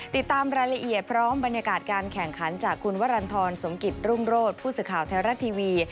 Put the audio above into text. ติดตามรายละเอียดพร้อมบรรยากาศการแข่งขันจากคุณวรรณฑรสมกิจรุ่งโรศผู้สื่อข่าวไทยรัฐทีวี